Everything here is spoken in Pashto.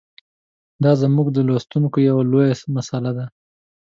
دا زموږ د لوستونکو یوه لویه مساله ده.